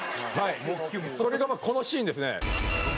それがこのシーンですね。